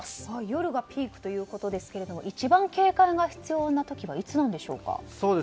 夜がピークということですが一番警戒が必要な時はいつなんでしょうか？